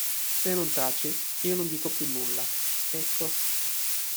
Se non taci, io non dico più nulla, ecco.